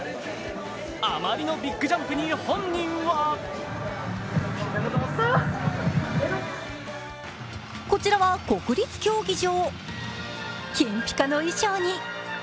あまりのビッグジャンプに本人はこちらは国立競技場。